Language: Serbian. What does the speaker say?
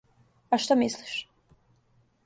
А шта мислиш?